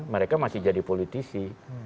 mereka masih jadi politisi